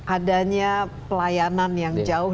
adanya pelayanan yang jauh